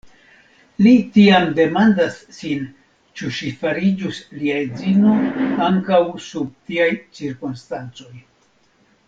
Li tiam demandas sin, ĉu ŝi fariĝus lia edzino ankaŭ sub tiaj cirkonstancoj.